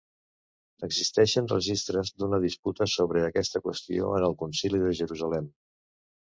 Existeixen registres d'una disputa sobre aquesta qüestió en el Concili de Jerusalem.